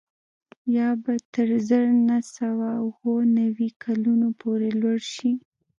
یا به تر زر نه سوه اووه نوي کلونو پورې لوړ شي